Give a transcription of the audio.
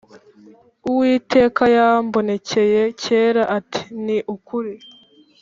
Uwiteka yambonekeye kera ati Ni ukuri